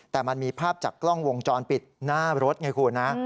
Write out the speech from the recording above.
แต่มันมีภาพจากกล้องวงจรปิดหน้ารถไงคุณนะ